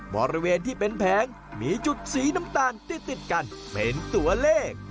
บริเวณที่เป็นแผงมีจุดสีน้ำตาลติดกันเป็นตัวเลข